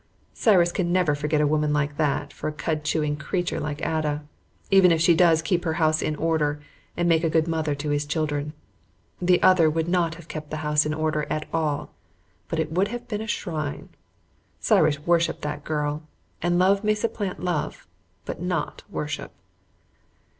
Cyrus can never forget a woman like that for a cud chewing creature like Ada, even if she does keep his house in order and make a good mother to his children. The other would not have kept the house in order at all, but it would have been a shrine. Cyrus worshipped that girl, and love may supplant love, but not worship.